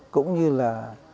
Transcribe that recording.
cũng như là